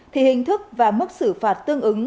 thì hình thức và mức xử phạt tương ứng